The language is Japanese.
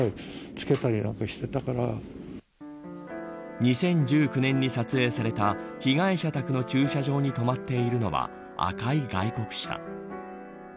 ２０１９年に撮影された被害者宅の駐車場に止まっているのは、赤い外国車。